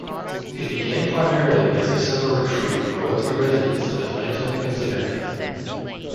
It began primarily as a summer retreat for wealthy residents of Atlanta and Savannah.